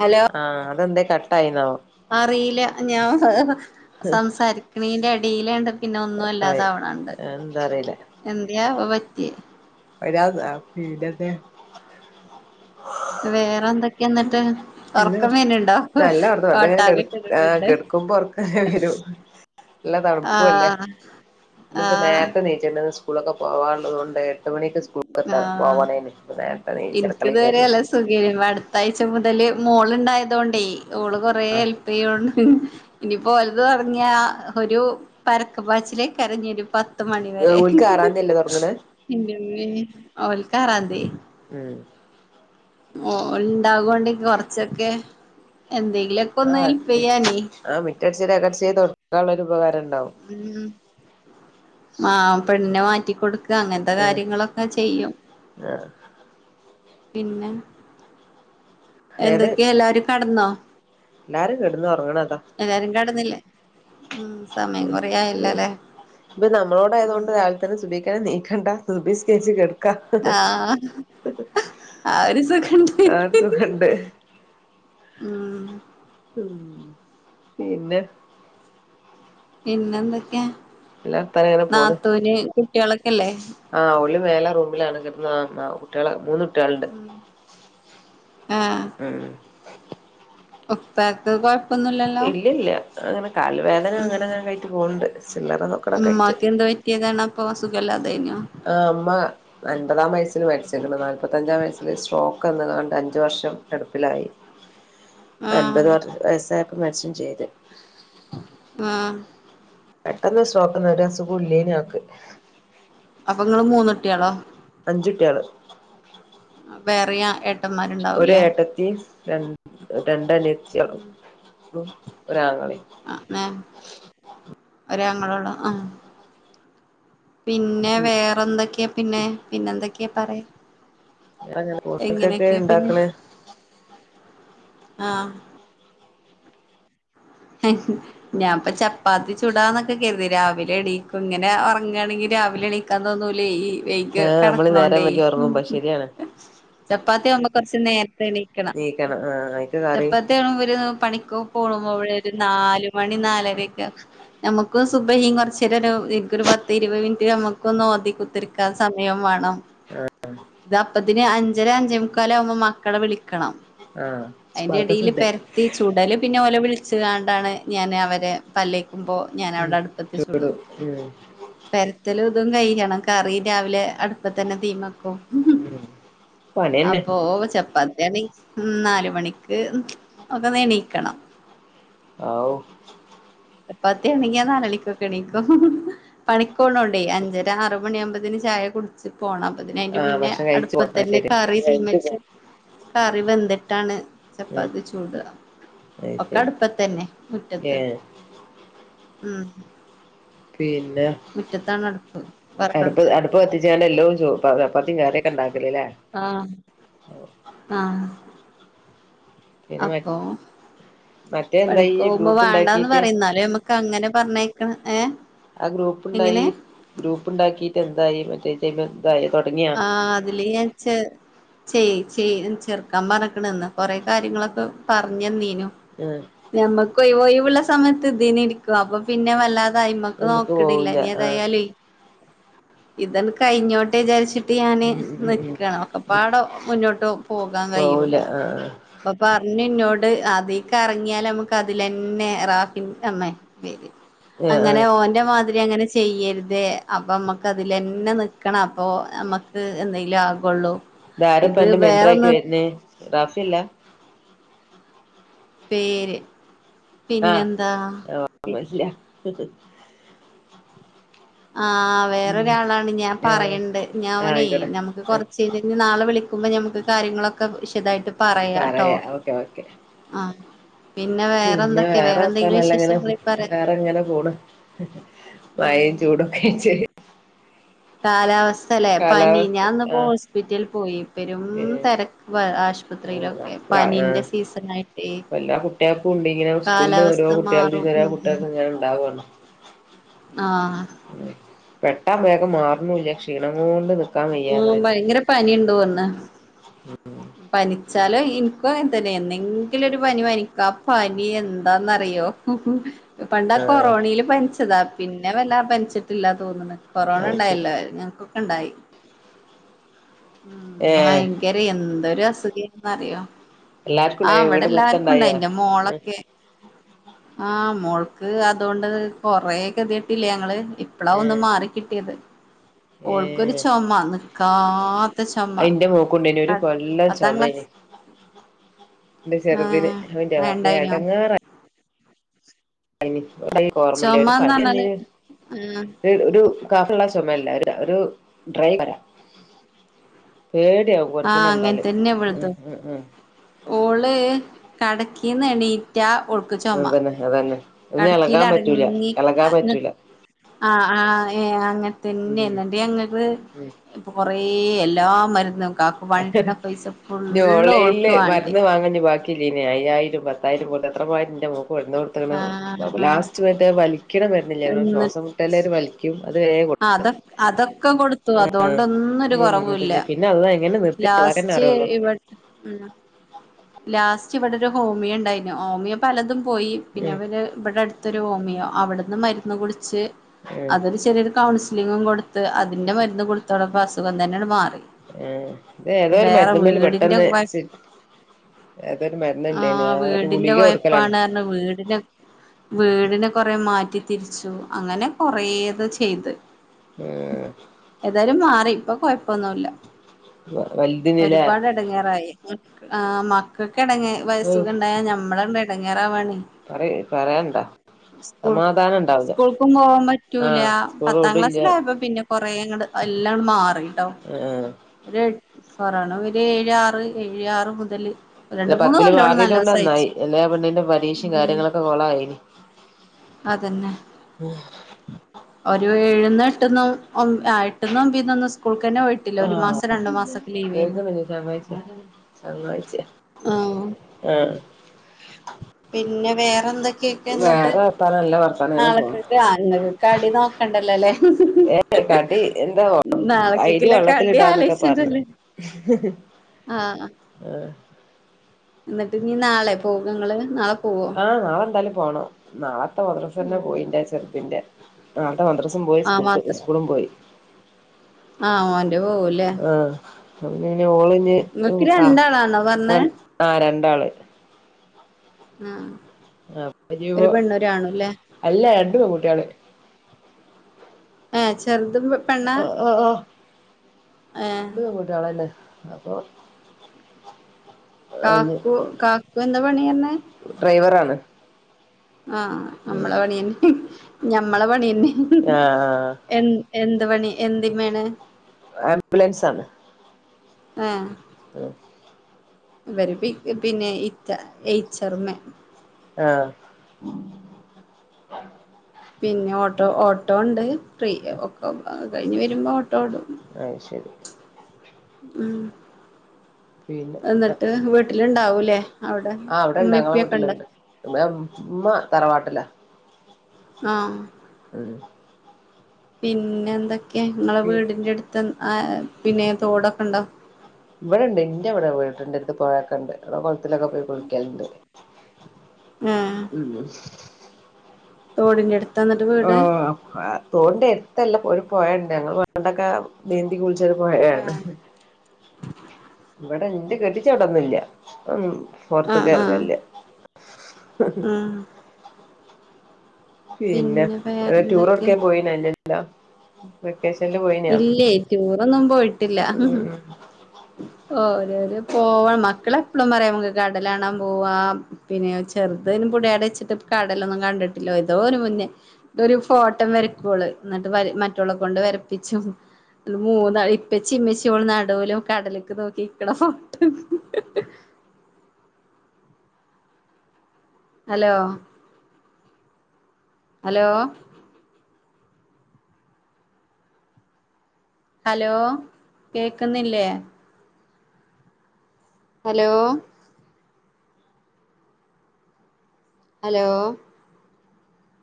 Hello ആഹ് അതെന്താ cut ആയിന്നോ അറീലാ ഞാൻ സംസാരിക്കിണയ്ന്റെടയിലാണ്ട് പിന്നെ ഒന്നും കട്ടായി അല്ലാതാവണണ്ട് എന്താ അറിയില്ല എന്ത്യാ ആവോ പറ്റിയേ ഒരാതാ വീ [unintelligible] വേറെ എന്തൊക്കെയാ എന്നിട്ട് ഹാലോ ഉറക്കം വരുന്നുണ്ടോ നല്ല വെറുതെ കോട്ടാവി ഇട്ടിട്ടുണ്ട് കെടുക്കുമ്പോ ഉർക്കങ്ങനെ വരും നല്ല തണുപ്പുംല്ലേ ആഹ് ഇന്നിപ്പ ആഹ് നേരത്തെ നീച്ചണ്ട് സ് സ്കൂളൊക്കെ പോവാള്ളത് കൊണ്ട് എട്ടു മണിക്ക് സ്കൂൾ ക്കെത്തണം ആഹ് പോവാനാന് ന്നേരത്തേ എണീച്ച് അടുക്കളെയില്കയറിണ് സുഖയ്നി അടുത്താഴ്ച മുതല് മോൾ ഉണ്ടായതുകൊണ്ടേ ഓള് കൊറേ ആഹ് എൽപെയ്യോന്ന്. ഞ്പ്പോ ഓൽത് തൊട്ങ്ങ്യ ഒരു പരക്കപ്പാച്ചിലേക്കാരം ഞ്ഞൊരു പ- ത്ത് മണിവരെ ഓൽക്ക് ആറാംതിയല്ലേ തൊടങ്ങണേ ഇൻ്റമ്മേ ഓൽക്കാറാന്തി. ഉം. ഓ ൽ ണ്ടാ കോണ്ട് ക് കൊറച്ചൊക്കെ എന്തെങ്കിലൊക്കെന്ന് ഹെൽപെയ്യാനെ. റ്റട്ചേരി അകട്ചേരി തൊട്ക്കാള്ളെരു ഉപകാരണ്ടാവും. ഉം. ആഹ് പെണ്നെ മാറ്റിക്കൊടുക്ക അങ്ങൻത്തെ ആഹ് കാര്യങ്ങളൊക്കെ ചെയ്യും. ആഹ് പിന്നെ എന്തൊക്കെയാ എല്ലാരും കട്ട്ന്നോ? ല്ലാരും കെട്ന്ന് ഒർങ്ങണതാ. എല്ലാരും കടന്നില്ലേ? ഉം സമയം അ കൊറേ അ് ആയല്ലോല്ലേ പ്പൊ ഉം നമ്മളോടായതോണ്ട് രാവിൽ ത്ര സുബേക്കനെ ന്നീക്കണ്ടാ സുബിസ്കര്ച്ച് കെട്. ആഹ് ആ ഒരു സുഖണ്ട്. ആ ഒരു സുഖണ്ട് ഉം. ഉം പിന്നെ. പിന്നെന്തെക്കെ? എല്ലാ വർത്താനം അങ്ങനെ പോണ് ന്നാത്തൂന് കുട്ട്യളൊക്കെല്ലേ? ആഹ് ഓല് മേലെ റൂമിലാണ് കെട്ന്ന് [inaudible] ട്ട്യള് മൂന്നുട്ട്യളുണ്ട്. ഉം ഉം. ഒപ്പാക്ക് കൊഴ്- ഇല്ലല്ല അങ്ങനെ കാല് വേദന ഉം അങ്ങനെങ്ങാൻ കയ്റ്റ് പോവ്ണ്ട് ചില്ലറ നൊക്കട കയ്റ്റ്. ഏതാണപ്പൊ സുഖല്ലാതയ്നോ? ആഹ് ഉമ്മ. അൻപതാം വയസ്സിൽ മര്ച്ച്ക്ണ്. നാല്പത്തഞ്ചാം വയസ്സില് സ്ട്രോക്കന്ന് കാണ്ട് അഞ്ച് വർഷം കെട്പ്പിലായി. [inaudible] അൻപത് വർ വയസ്സായപ്പോ മര്ച്ചും ചെയ്ത്. ആഹ്. പെട്ടെന്ന് സ്ട്രോക്കന്ന് ഒരസുഖുല്ലേ നി ആക്ക്. അപ്പങ്ങള് മൂന്നുട്ട്യളോ? അഞ്ചുട്ട്യാള്. വേറിയ എ- ഒരേട്ടത്തിം രൺ രണ്ടനിയത്ത്യാളും. ഒരാങ്ങളീം. അ മേം ഒരാങ്ങളോള്ളോ ആ? പിന്നെ വേറൊന്തക്കെ പിന്നെ? പിന്നെന്തൊക്കെ പറെ. അങ്ങനെ ഓൽക്കൊക്കെ എങ്ങനെക്കെ പിന്നെ? ഇണ്ടാക്കണ ആഹ്. [inaudible] ഞ്ഞാംപ്പ ചപ്പാത്തി ചൂടാന്നൊക്കെ കര്തി. രാവിലെ എണീക്കും ങ്ങനെ ഒർങ്ങാണെങ്കി രാവിലെ എണീ- ക്കാ തോന്നൂലേ ഈ വൈക്ക് ആഹ് നമ്മള് നേരം കടക്ണോണ്ടേയ്. വൈകി ഒറങ്ങുമ്പോ ശരിയാണ് ചപ്പാത്തിയാവുമ്പോ കുറച്ച് നേരത്തെണീക്കണം. നീക്കണം ആഹ് അയിക്ക് കറി ചപ്പാത്തിയാവുമ്പോ ഇവര് പണിക്കോ [unintelligible] ഒരു നാല് മണി നാലരക്കെ നമ്മക്ക് സുബഹിം കൊർച്ചേരരു ദിക്ർ പത്ത് ഇരുപ മിൻറ്റ് ഞമ്മക്കൊന്നോതി കുത്തര്ക്കാ സമയം വാണം. ദാ പ്പത്തിന് അഞ്ചര അഞ്ചേ മുക്കാലാവുമ്പോ മക്കളെ വിളിക്കണം. ആഹ് അയ്ന്റെടീല് മദ്രസണ്ട് പെര്ത്തി- ചുടല് പിന്നെ ഓലെ വിൾച്ച്ങ്ങാണ്ടാണ് ഞാൻ അവരെ പല്ലേക്കുമ്പോ, ഉം ഞാനൗടെ അട്പ്പത്ത് ചുടും. ചൂടും ഉം പെര്ത്തലു തും കയ്യണം, കറി രാവിലെ അടുപ്പത്തന്നെ തീമക്കും. ഉം. പണിയന്നെ അപ്പൊ ചപ്പാത്ത്യാണെങ്കി ഉം നാല് മണിക്ക് ഒക്കെ ന്നെണീക്കണം. ആവു. ചപ്പാത്ത്യാണെങ്കി ഞാ നാലണിക്കൊക്കെണീക്കും. പണിക്കോണോണ്ടേ അഞ്ചര ആറു മണ്യാവുമ്പതിന് ചായ കൊടു- ഇച്ച് പോണം അപ്പത്തിന് അയ്ന്റെ ആഹ് മുന്നേ ഭക്ഷണം കഴിച്ചു പോണം അത് അടുപ്പതെന്നെ ശരിയാ [unintelligible] കറി വെന്തിട്ടാണ് ഉം ചപ്പാത്തി ചുടാ അത് ഒക്കെ ശരി അടുപ്പത്തെ ന്നെ മുറ്റത്ത്. ഏഹ് ഉം. പിന്നെ മുറ്റത്താണ് അടുപ്പ് വറകട്പ്പ്. പ്പ് കത്തിച്ചാണ്ട് എല്ലോം ചൊ ചപ്പാത്തീം കറീം ഒക്കെ ഉണ്ടാക്കല് ല്ലെ? ആഹ് ആഹ്. പിന്നെ മ അപ്പൊ മറ്റേ എന്താ ഈ പണിക്കൊവുമ്പോ ഗ്രൂപ്പ് വേണ്ടാന്ന് ഇണ്ടാക്കീട്ട് പറയും ന്നാലും നമ്മക് ക്കങ്ങനെ പറഞ്ഞയ്ക്കണ് ഏ ആ ഗ്രൂപ്പ്ണ്ടായി ഗ്രൂപ്പ്ണ്ടാക്കീറ്റെന്തായി മറ്റേ [unintelligible] തുടങ്ങിയ? ആഹ് അതില് ഞാൻ ചേ ചേച്ചീ ചെറുക്കാൻ പറഞ്ഞക്ക്ണ് ഇന്ന് കൊറെ കാര്യങ്ങളൊക്കെ പറഞ്ഞെ ന്നീനു. ആഹ് ഞമ്മക്കൊയിവ് ഒയ് വുള്ള സമയത്ത് ഇതീനിരിക്കും അപ്പൊ പിന്നെ വല്ലാത് ത് അയ്മക്ക് നമുക്ക് നോക്ക്ണില്ല പോവൂല ഞ്ഞി ഏതാ ആഹ് യാലും ഇതണ്ട് കഴിഞ്ഞോട്ടെ ചാരിച് ട്ട് ഞാന് ഉം ഉം ഉം നിക്കാണ് ഒക്കെപ്പാടെ മുന്നോട്ട് പോകാൻ പോവൂല കഴൂല. ആഹ് അപ്പൊ പറഞ്ഞുന്നോട് അതീക്കെർ ങ്ങിയാല് നമുക്ക് അതിലന്നെ റാഫിൻ അമ്മേ [unintelligible] ആഹ് ആഹ് അങ്ങനെ ആഹ് ഓൻ ന്റെ മാതിരി അങ്ങനെ ചെയ്യര്ത് അപ്പൊമ്മക്ക് അതിലെന്നെ നിക്കണം അപ്പോ നമ്മ ക്ക് എന്നെയ് ലും ആകുള്ളൂ താരപ്പ അന്റെ മെൻടറായിറ്റ് വര്ന് റാഫി--ല്ല പേര് ആഹ് പിന്നെന്താ ഓർമല്യ ഹ് ഹ് ആ ഉം വേറൊരാളാണ് ഞാൻ ആഹ് പറയണ്ട് ആഹ് ഞാനെയ് ആയിക്കോട്ടെ നമുക്ക് ആഹ് കൊർച് [unintelligible] ഞ്ഞി നാളെ വിളിക്കുമ്പോ നമുക്ക് കാര്യങ്ങളൊക്കെ വിശദായിട്ട് പറയാട്ടോ പറയാ ഓക്കേ ഓക്കേ. ആഹ് പിന്നെ വേറെന്തൊക്കെ വേറെ ന്തെങ്കിലും വർത്താനെല്ലാം ഇങ്ങനെ വിശേഷങ്ങള് പറ വേറെ ഇങ്ങനെ പോണ് മഴയും ഉം ചൂടൊക്കെയ്റ്റ് കാലാവസ്ഥ ലെ പനി കാലാവസ്ഥ ഞാൻന്ന്പ്പോ ആഹ് ഹോസ്പിറ്റൽ പോയി പെരും തെര്ക്ക് വെ ആശു [unintelligible] ആയിട്ടേ പ്പല്ലാ കുട്ടിയേക്കും ഉണ്ട് ഇങ്ങനെ സ്കൂൾന്ന് ഓരോ കാലാവസ്ഥ മാറും കുട്ടിയാൾതീന്ന് [unintelligible] ഉം ഉം കുട്ട്യേക്ക്ങ്ങനെണ്ടാവാണ്. ആഹ് ഉം പെട്ട മേഗം മാറുണുല്യ ക്ഷീണംങ്ങോ ണ്ട് നിക്കാൻ ഉം വയ്യാന്നറീണ്ട് ഭയങ്കര ഉം. [unintelligible] പനിച്ചാലൊ ഇൻക്കു അങ്ങൻതന്നെ എന്നെങ്കിലു ഒരു പനി പനിക്കു ആ പനി എന്താന്നറിയോ? ഹും ഹും പണ്ടാ കൊറോണീല് പനിച്ചതാ പിന്നെ വല്ല പൻച്ചിട്ടില്ല തോന്ന്ണ്. അത് ശരി കൊറോണണ്ടായല്ലോ ഞങ്ങക്കൊക്കെ ണ്ടായി ഏഹ് ഭയങ്ക ക്കെരെ എന്തൊരു അസുഖയ്ന്നുന്ന റിയോ എല്ലാർക്കും ഉണ്ടായ ആഹ് വിടെ വീട് മൊത്തം എല്ലാര്ക്കും ഉണ്ടായാ ഇണ്ടായിന്റെ മോളൊക്കെ ആ മോൾക്ക് അതോണ്ട് കൊറെ കെ തിട്ടീലെ ഞങ്ങള്. ഇപ്പളാ ഒന്ന് ഏഹ് മാറിക്കിട്ടിത് ഓൾക്കൊരു ഏഹ് ചുമ നിക്കാത്ത ചുമ. ന്റെ മോക്കുണ്ടായ്ന് ഒര് കൊല്ല ചുമേന് ന്റെ ചെറുതിന് ആഹ് അഹ് ന്റെ ആഹ് റബ്ബേ ഇണ്ടായിനോ എടങ്ങാറ [unintelligible] ചൊമന്ന് പറഞ്ഞാല് ആഹ് ഒരു ഒരു കഫള്ള ചുമയല്ല ഒരു ഡ്രൈ കൊര. പേടിയാവും ആഹ് അങ്ങനെ കൊര്ക്കണണ്ടാല് തന്നെ അ ഇവൾതും അ ആ ഓള് കടക്കിന്ന് എണീറ്റാ ചൊമ അതന്നെ അതതന്നെ ഇന്നെ ഇളകാൻ കടക്കീല് പറ്റൂല ഇളകാൻ പറ്റൂല ആ ആ ഏ അങ്ങനത്തന്നെണ്ട് ഉം ന്നിട്ട് ഞങ്ങള് ഉം കൊറേ എല്ലാ മരുന്നും കാക്ക പണിട്ടുന്ന പൈസ ഫുള്ള് ഓൾക്ക് വേണ്ടി [unintelligible] ബാക്കി ഇെ അയ്യായിരം പത്തായിരം പോലെ എത്രമാരി ഇന്റെ മോൾക് കൊടന്ന് കൊട്ത്ത്ണ് ആഹ് ലാസ്റ്റ് മറ്റേ വലിക്കണ മരുന്നില്ല നമ്മളെ ശ്വാസം മുട്ടൽ ക്കാര് വലിക്കണ അത് വരെ കൊട് ആ അതൊ അതൊക്കെ കൊടുത്തു അതോണ്ടൊന്നും ഒരു കൊടു ഉം കുറവുല്ല നിന്നിട്ടില്ല പിന്നെ അല്ലാഹ് എങ്ങനെ നിർത്തിന്ന് അല്ലാഹ്ക്കെന്നെ അറിയൊള്ളൂ ഉ ലാസ്റ്റ് ഇവിടെ ഒരു ഹോമിയ ഉണ്ടായിരുന്നു ഹോമിയൊ പലതും പോയി പിന്നെ ഉം ഇവര് ഇവിടെ അടുത്തൊരു ഹോമിയോ അവിടുന്നും മരുന്ന് കുടിച്ച് ഉം അതൊരു ചെറിയൊരു കൗൺസിലിങ്ങും കൊടുത്ത് അതിന്റെ മരുന്ന് കൊടുത്തോടപ്പൊ അസുഖം തന്നെണ്ട് മാറി ആ ഇത ഏതോ ഒരു വേറെ മരുന്ന്മ്മെ വീടിന്റെ പെട്ടെന്ന് കൊയ സി അഏതൊരു മരുന്ന് ഇണ്ടേന്ന് ഞാൻ ഒരു ഗുളിക കൊടുക്കലാണ് വീടന് വീടിനെ കൊറെ മാറ്റി തിരിച്ചു അങ്ങനെ കൊറേത് ചെയ്ത് ആഹ് ഏതായാലും മാറി ഇപ്പ കുഴപ്പൊന്നുല്ല വലുതിന് ലേ ഇടങ്ങേറായി ആ മക്കൾക്ക് ഇടങ്ങ ഔ വയസ്സുഖ ഇണ്ടായാ ഞമ്മളെണ്ട് ഇടങ്ങയറവാണേ പറ പറയണ്ടാ സ്കൂൾ സ്കൂൾക്കും പോവാൻ പറ്റൂല ആഹ് സ്കൂൾ പത്താം വിടില്ല ക്ലാസ്സിലായപ്പോ പിന്നെ കൊറെ അങ്ങട് എല്ലാം മാറിട്ടോ ആഹ ഒരു എട്ട് പറയണം ഒരു ഏഴ് ആറ് ഏഴ് ആറ് മുതല് അല്ല രണ്ട് മൂന്ന് പത്തില് കൊല്ലോളം മാറിയത നല്ലോം കൊണ്ട് നന്നായി സഹിച്ചു എല്ലെ ആ പെണ്ണിന്റെ പരീക്ഷയും ഉം കാര്യങ്ങളൊക്കെ കൊളായിനി അതന്നെ ഒരു ഏഴന്ന് എട്ട്ന്നും എട്ടന്നും ഒമ്പതിന്നും സ്കൂൾക്ക് തന്നെ പോയിട്ടില്ല ഒരു ആഹ മാസം രണ്ടു മാസൊക്കെ ലീവേന്നു കേൾക്കുന്ന ചെങ്ങായിച്ചിയാ ആഹ് ആ പിന്നെ വേറെ എന്തൊക്കെയൊക്കെ എന്നിട്ട് വർത്താനം നല്ല വർത്താനം അങ്ങനെ പോണ് നാളക്കെ ആഹ് ഇങ്ങക്ക് കടി നോക്കണ്ടല്ലോ ല്ലേ ഏ കടി എന്താ അരി നാളെക്കൊക്കില്ല വെള്ളത്തില് ഇടാന്നൊക്കെ പറഞ്ഞു ആഹ ആഹ എന്നിട്ട് ഇനീ നാളെ പോകങ്ങള് നാളെ പോവോ ആഹ് നാളെ എന്താലും പോണം നാളെത്തെ മദ്രസ തന്നെ പോയി ഇന്റെ ചെറുതിന്റെ നാളത്തെ മദ്രസം പോയി ആ സ്കൂ മാത്രം സ്കൂളും പോയി ആഹ് ഓൻ്റെ പോവൂല്ലേ അനെ ഇങ്ങക്ക് ഓളിഞ്ഞ്സാ രണ്ടാളാണോ ര പറഞ്ഞേ ആഹ രണ്ടാള് ആഹ അപ്പനിപ്പൊ അല്ല രണ്ടു പെൺകുട്ടികള് ഏഹ് ചെറുതും പെണ്ണാ ആഹ ആഹ ഏഹ് ആഹ ഒരാളല്ലേ അപ്പൊ കാക്കു കാക്കു എന്താ പണി പറഞ്ഞെ ഡ്രൈവർ ആണ് ആഹ നമ്മളെ പണിന്നെ ഞമ്മളെ പണിന്നെ ആഹ് എന്ത എന്ത് പണി എന്തി മേണ് ആംബുലൻസ് ആണ് ആഹ് ഉം ഇവര് പിന്നെ [unintelligible] ഏച്ചർമ്മ ആഹ് പിന്നെ ഓട്ടോ ഓട്ടോ ണ്ട് ഫ്രീ ഒക്ക കഴിഞ്ഞ് വരുമ്പോ ഓട്ടോ ഓടും. അയ്ശരി ഉം പിന്നെ എന്നിട്ട് വീട്ടിലുണ്ടാവൂലേ? അവിടെ ആഹ് അവിടെണ്ട് ഞങ്ങളെ ഉമ്മിപ്പിയൊക്കെ ഉണ്ട്. വീട്ടിലുണ്ട് ഉമ്മ തറവാട്ടിലാ. ആഹ്. ഉം പിന്നെ എന്തൊക്കെയാ? നിങ്ങളെ വീടിൻ്റെ അടുത്ത് പിന്നെ തോടൊക്കെ ഉണ്ടോ? ഇവിടെ ഇണ്ട് ഇന്റെ ഇവിടെ വീട്ടന്റെ അടുത്ത് പൊഴോക്കെ ഇണ്ട്. എടെ കുളത്തിലൊക്കെ പോയി കുളിക്കലുണ്ട് ഏഹ് ഉം. തോടിന്റെടുത്തന്നിട്ട് വീട്? ആഹ് തോടിന്റെ എടുത്തല്ല ഒരു പോഴണ്ട് ഞങ്ങൾ പണ്ടൊക്കെ നീന്തിക്കുളിച്ച പോഴയാണ് ഇവിടെ എന്റെ കെട്ടിച്ചവടൊന്നില്ല ആഹ് പുറത്തേക്കെ ആഹ് ഇറങ്ങലില്ല. ഉം പിന്നെ ടൂറെടക്കാൻ പോയി [unintelligible] വെക്കേഷനല് പോയിനാ? ഇല്ലേ ടൂറൊന്നും ഉം ഓരോ ഒരോ പോവാ മക്കള് എപ്പളും പറയും മ്മക്ക് കടല് കാണാൻ പോവാ പിന്നെ ചെറുതും പുടയാട വെച്ചിട്ട് കടലൊന്നും കണ്ടിട്ടില്ല ഏതോ ഒരു മുന്നേ ഒരു ഫോട്ടം വരക്കുവള് എന്നിട്ട് മറ്റോളെ കൊണ്ട് വരപ്പിച്ചും അത് മൂന്നാ ഇപ്പച്ചിമ്മച്ചി നടുവിലും കടലിക്ക് നോക്കി ഇക്കണ ഫോട്ടോ ഹലോ ഹലോ ഹലോ കേക്കുന്നില്ലേ? Hello hello